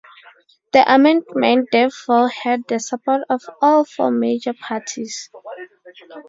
The amendment, therefore, had the support of all four major parties.